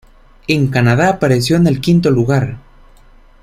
En Canadá apareció en el quinto lugar.